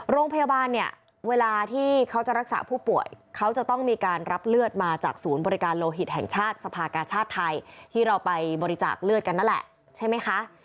โรงพยาบาลเนี่ยเวลาที่เขาจะรักษาผู้ป่วยเขาจะต้องมีการรับเลือดมาจากศูนย์บริการโลหิตแห่งชาติสภากาชาติไทยที่เราไปบริจาคเลือดกันนั่นแหละใช่ไหมคะ